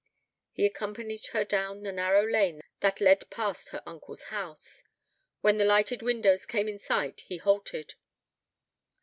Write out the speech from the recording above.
He accompanied her down the narrow lane that led past her uncle's house. When the lighted windows came in sight he halted.